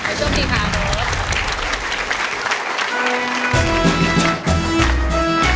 ยอมดีครับ